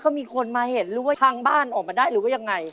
ก็มีคนมาเห็นหรือว่าทางบ้านออกมาได้หรือว่ายังไง